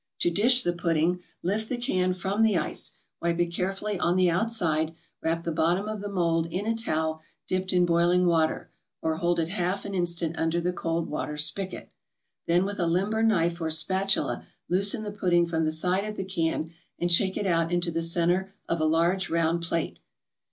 To dish the pudding, lift the can from the ice, wipe it carefully on the outside, wrap the bottom of the mold in a towel dipped in boiling water, or hold it half an instant under the cold water spigot. Then with a limber knife or spatula loosen the pudding from the side of the can and shake it out into the centre of a large round plate.